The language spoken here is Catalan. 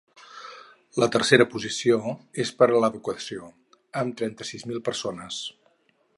La tercera posició és per a l’educació, amb trenta-sis mil persones.